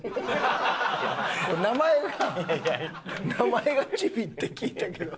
名前が名前がチビって聞いたけど。